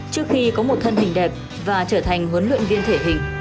trước khi có một thân hình đẹp và trở thành huấn luyện viên thể hình